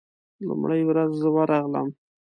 لومړۍ ورځ زه ورغلم.